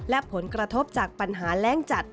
และผลกระทบจากปัญหาแรงจัด